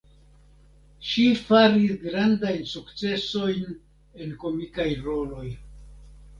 Ŝi faris grandajn sukcesojn en komikaj roloj.